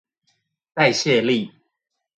代謝力